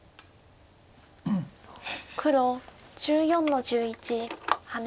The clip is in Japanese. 黒１４の十一ハネ。